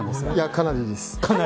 かなりです。